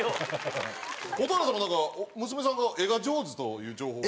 蛍原さんの娘さんが絵が上手という情報が。